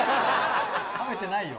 食べてないよ。